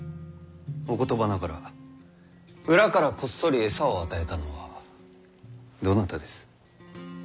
お言葉ながら裏からこっそり餌を与えたのはどなたです？